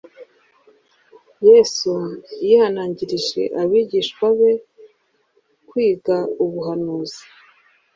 Yesu yihanangirije abigishwa be kwiga ubuhanuzi;